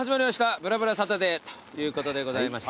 『ぶらぶらサタデー』ということでございまして。